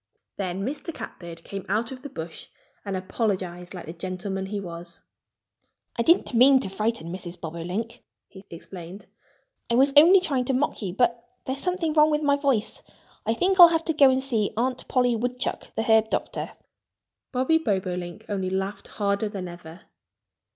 Then Mr. Catbird came out of the bush and apologized like the gentleman he was. "I didn't mean to frighten Mrs. Bobolink," he explained. "I was only trying to mock you. But there's something wrong with my voice. I think I'll have to go and see Aunt Polly Woodchuck, the herb doctor." Bobby Bobolink only laughed harder than ever.